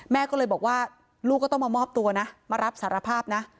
แม่ก็เลยบอกว่าลูกก็ต้องมามอบตัวนะมารับสารภาพนะ